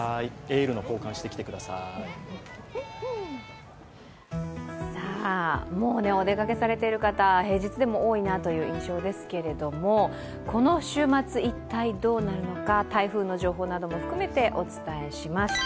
エールの交換、してきてくださいるもうお出かけされている方、平日でも多いなという印象ですけれども、この週末、一体、どうなるのか台風の情報なども含めてお伝えします。